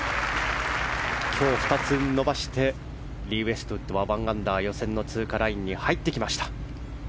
今日２つ伸ばしてリー・ウェストウッドは１アンダー、予選の通過ラインに入ってきました。